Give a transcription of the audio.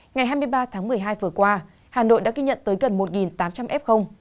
ngày hai mươi ba tháng một mươi hai vừa qua hà nội đã ghi nhận tới gần một tám trăm linh f